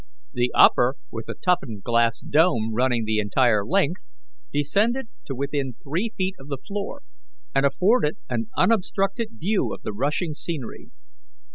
The upper, with a toughened glass dome running the entire length, descended to within three feet of the floor, and afforded an unobstructed view of the rushing scenery.